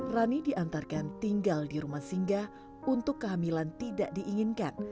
rani diantarkan tinggal di rumah singgah untuk kehamilan tidak diinginkan